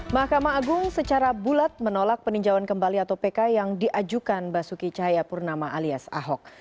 mahkamah agung secara bulat menolak peninjauan kembali atau pk yang diajukan basuki cahayapurnama alias ahok